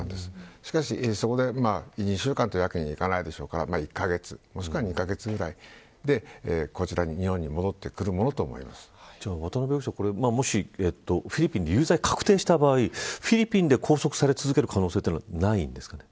しかし、そこで２週間というわけにはいかないでしょうから１カ月もしくは２カ月くらいで日本にじゃあ、渡辺容疑者もしフィリピンで有罪が確定した場合フィリピンで拘束され続ける可能性はないんですか。